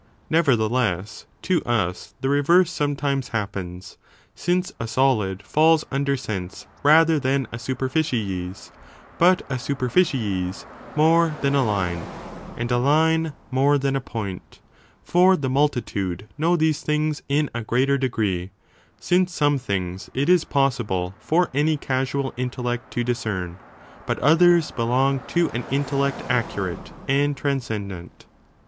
Nevertheless, to us, the reverse sometimes happens, since a solid falls under sense rather than a superficies, but a superficies more than a line, and a line more than a point, for the multitude know these things in a greater degree, since some things it is possible for any casual intellect to discern, but others belong to an in tellect accurate and transcendent.